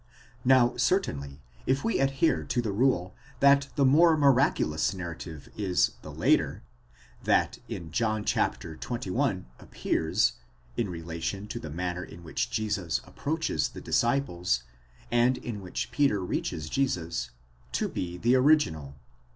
Now certainly if we adhere to the rule that the more miraculous narrative is the later, that in John xxi appears, in relation to the manner in which Jesus approaches the disciples, and in which Peter reaches Jesus, to be the original.